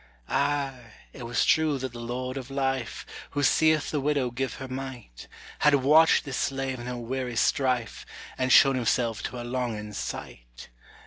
Ay, it was true that the Lord of Life, Who seeth the widow give her mite, Had watched this slave in her weary strife, And shown himself to her longing sight.